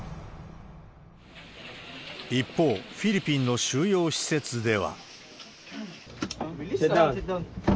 一方、フィリピンの収容施設では。